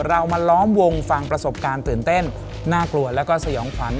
เรามาล้อมวงฟังประสบการณ์ตื่นเต้นน่ากลัวแล้วก็สยองขวัญ